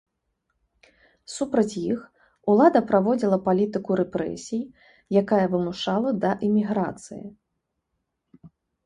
Супраць іх улада праводзіла палітыку рэпрэсій, якая вымушала да эміграцыі.